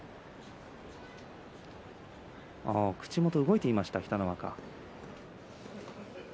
口元が動いていました北の若。